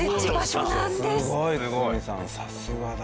さすがだ。